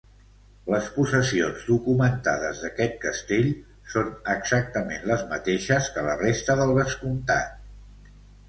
Les possessions documentades d'aquest castell són exactament les mateixes que la resta del vescomtat.